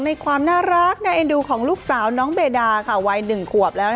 ในความน่ารักน่าเอ็นดูของลูกสาวน้องเบดาค่ะวัย๑ขวบแล้ว